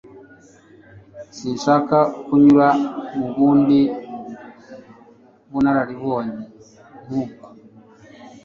Sinshaka kunyura mu bundi bunararibonye nkubwo.